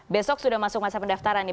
besok sudah masuk masa pendaftaran nih